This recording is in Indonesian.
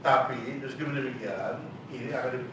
tapi terus dimana mana ini akan dipilih